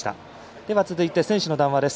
では続いて選手の談話です。